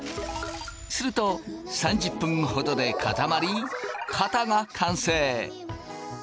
すると３０分ほどで固まり型が完成。